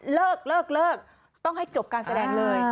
เลิกเลิกต้องให้จบการแสดงเลย